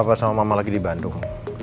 apa sama mama lagi di bandung